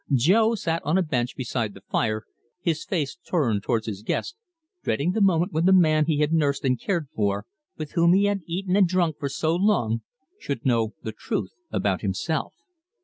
Jo sat on a bench beside the fire, his face turned towards his guest, dreading the moment when the man he had nursed and cared for, with whom he had eaten and drunk for so long, should know the truth about himself.